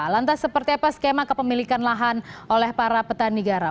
lantas seperti apa skema kepemilikan lahan oleh para petani garam